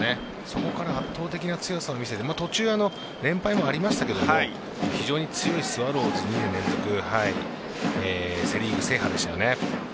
そこから圧倒的な強さを見せて途中、連敗もありましたけども非常に強いスワローズでセ・リーグ制覇でしたよね。